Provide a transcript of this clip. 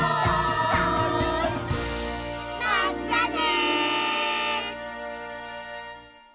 まったね！